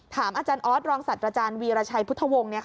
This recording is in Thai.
ถามอาจารย์ออสรองศัตว์อาจารย์วีรชัยพุทธวงศ์